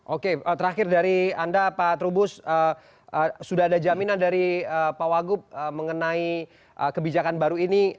oke terakhir dari anda pak trubus sudah ada jaminan dari pak wagub mengenai kebijakan baru ini